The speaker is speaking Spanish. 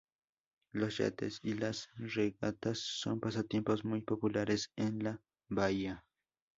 Los yates y las regatas son pasatiempos muy populares en la bahía.